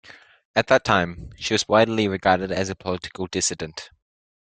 At that time, she was widely regarded as a political dissident.